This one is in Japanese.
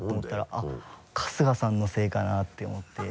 あっ春日さんのせいかなて思って。